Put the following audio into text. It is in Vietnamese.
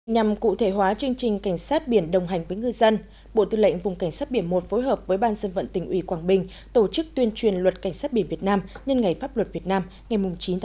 nhằm cụ thể hóa chương trình cảnh sát biển đồng hành với ngư dân bộ tư lệnh vùng cảnh sát biển i phối hợp với ban dân vận tỉnh ủy quảng bình tổ chức tuyên truyền luật cảnh sát biển việt nam nhân ngày pháp luật việt nam ngày chín một mươi một hai nghìn một mươi chín